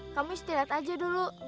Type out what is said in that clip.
kamu istirahat aja dulu